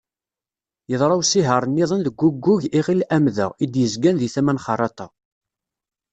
Yeḍra usihar-nniḍen deg uggug Iɣil Amda, i d-yezgan di tama n Xerraṭa.